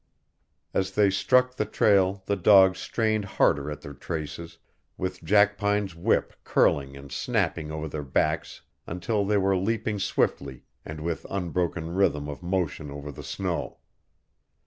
As they struck the trail the dogs strained harder at their traces, with Jackpine's whip curling and snapping over their backs until they were leaping swiftly and with unbroken rhythm of motion over the snow.